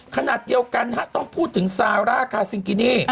ขณะเดียวกันต้องพูดถึงซาร่าคาซิงกินี่